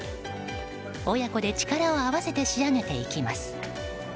親子で力を合わせて仕上げていきます。